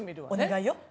お願いよ。